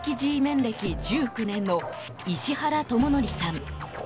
歴１９年の石原知典さん。